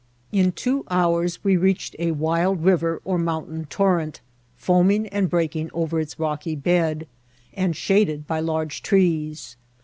* In two hours we reached a wild river or mountain torrent, foaming and breaking over its rocky bed, and shaded by large trees.